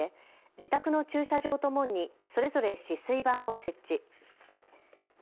自宅の駐車場と門にそれぞれ止水板を設置。